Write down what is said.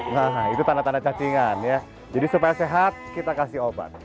nah itu tanda tanda cacingan ya jadi supaya sehat kita kasih obat